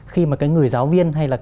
khi mà cái người giáo viên hay là